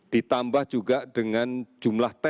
ditambah juga dengan jumlah tes